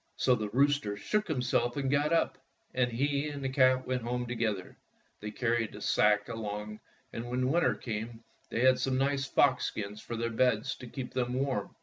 So the rooster shook himself and got up, and he and the cat went home together. They carried the sack along, and when winter came they had some nice fox skins on their beds to keep them warm.